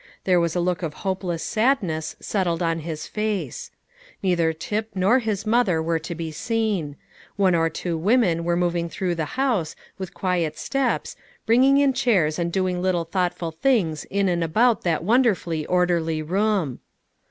There was a look of hopeless sadness settled on his face. Neither Tip nor his mother were to be seen. One or two women were moving through the house, with quiet steps, bringing in chairs and doing little thoughtful things in and about that wonderfully orderly room.